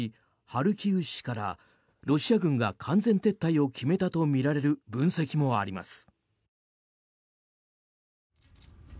ハルキウ市からロシア軍が完全撤退を決めたとみられる分析もあります。